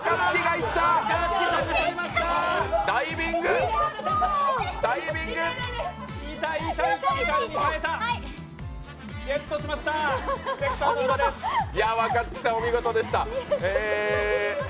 いや、若槻さん、お見事でした。